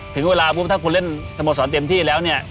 ถึงเวลาถ้าคุณเล่นสโมสรเนี่ย